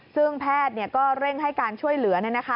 ซึ่งแพทย์ก็เร่งให้การช่วยเหลือ